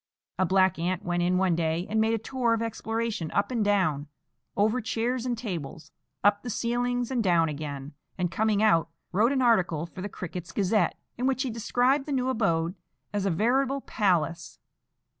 A black ant went in one day and made a tour of exploration up and down, over chairs and tables, up the ceilings and down again, and, coming out, wrote an article for the Crickets' Gazette, in which he described the new abode as a veritable palace.